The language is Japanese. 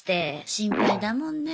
心配だもんね。